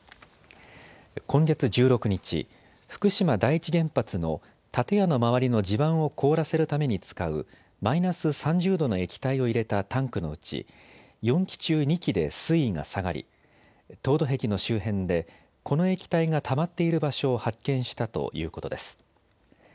今月１６日、福島第一原発の建屋の周りの地盤を凍らせるために使うマイナス３０度の液体を入れたタンクのうち４基中、２基で水位が下がり凍土壁の周辺でこの液体がたまっている場所を発見したということです。